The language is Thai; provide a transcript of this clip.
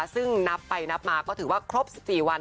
ซึ่งนับไปนับมาก็ถือว่าครบ๑๔วัน